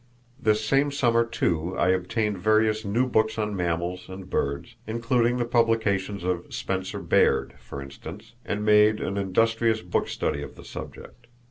This same summer, too, I obtained various new books on mammals and birds, including the publications of Spencer Baird, for instance, and made an industrious book study of the subject.